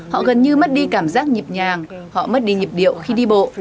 họ gần như mất đi cảm giác nhịp nhàng họ mất đi nhịp điệu khi đi bộ